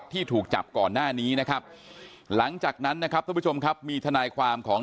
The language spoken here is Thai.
ที่ถูกจับก่อนหน้านี้นะครับหลังจากนั้นนะครับท่านผู้ชมครับมีทนายความของ